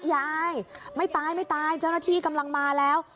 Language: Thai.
ยายไม่ตายไม่ตายเจ้าหน้าที่กำลังมาแล้ว